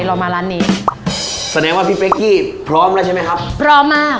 เรามาร้านนี้แสดงว่าพี่เป๊กกี้พร้อมแล้วใช่ไหมครับพร้อมมาก